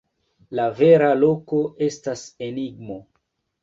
La vera loko estas enigmo.